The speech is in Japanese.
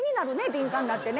敏感になってね。